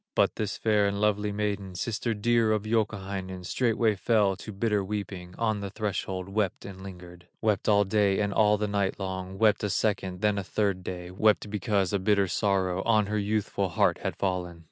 But the fair and lovely maiden, Sister dear of Youkahainen, Straightway fell to bitter weeping, On the threshold wept and lingered, Wept all day and all the night long, Wept a second, then a third day, Wept because a bitter sorrow On her youthful heart had fallen.